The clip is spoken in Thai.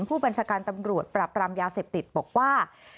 ผู้บัญชาการตำรวจปราบรามยาเสพติดบอกว่า